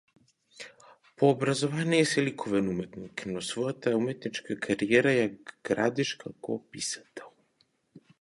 По образование си ликовен уметник, но својата уметничка кариера ја градиш како писател.